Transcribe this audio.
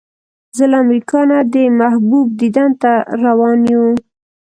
زه له امریکا نه د محبوب دیدن ته روان یو.